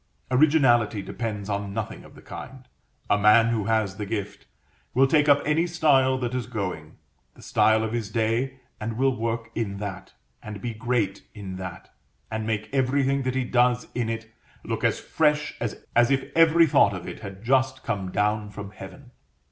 Originality depends on nothing of the kind. A man who has the gift, will take up any style that is going, the style of his day, and will work in that, and be great in that, and make everything that he does in it look as fresh as if every thought of it had just come down from heaven.